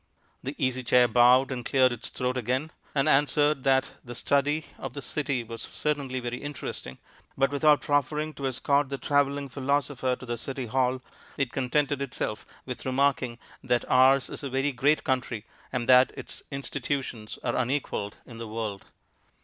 The Easy Chair bowed and cleared its throat again, and answered that the study of the city was certainly very interesting, but without proffering to escort the travelling philosopher to the City Hall, it contented itself with remarking that ours is a very great country, and that its institutions are unequalled in the world.